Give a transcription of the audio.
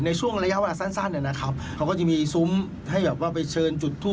ในช่วงระยะเวลาสั้นนะครับเขาก็จะมีซุ้มให้แบบว่าไปเชิญจุดทูป